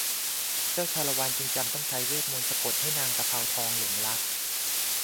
เจ้าชาละวันจึงจำต้องใช้เวทมนตร์สะกดให้นางตะเภาทองหลงรัก